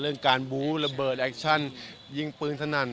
เรื่องการบู้ระเบิดแอคชั่นยิงปืนสนั่น